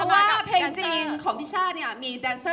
มีใครชมด้วย